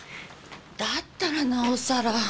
だったらなおさら。